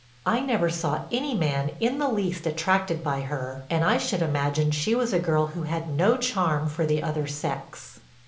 I never saw any man in the least attracted by her and I should imagine she was a girl who had no charm for the other sex."